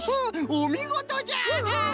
おみごとじゃ。